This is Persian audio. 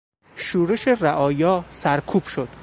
شورش رعایا سرکوب شد.